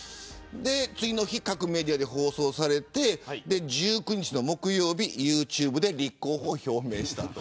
次の日、各メディアで放送されて１９日の木曜日にユーチューブで立候補を表明した。